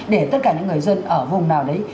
để tất cả những người dân ở vùng nào đấy